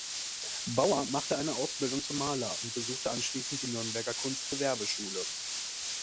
Baur machte eine Ausbildung zum Maler und besuchte anschließend die Nürnberger Kunstgewerbeschule.